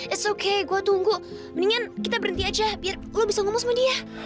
it's okay gue tunggu mendingan kita berhenti aja biar lo bisa ngomong sama dia